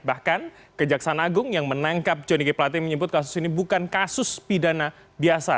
bahkan kejaksaan agung yang menangkap johnny g plate menyebut kasus ini bukan kasus pidana biasa